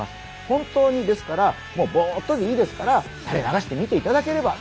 本当にですからボっとでいいですから垂れ流して見ていただければ。